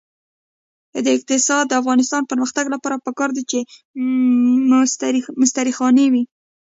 د افغانستان د اقتصادي پرمختګ لپاره پکار ده چې مستري خانې وي.